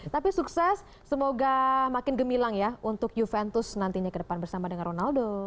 tapi sukses semoga makin gemilang ya untuk juventus nantinya ke depan bersama dengan ronaldo